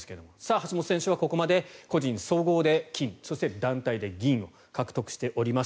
橋本選手はここまで個人総合で金そして団体で銀を獲得しています。